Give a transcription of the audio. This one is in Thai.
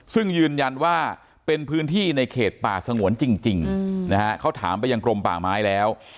ซึ่งยืนยันว่าเป็นพื้นที่ในเขตป่าสงวนจริงนะฮะเขาถามไปยังกรมป่าไม้แล้ว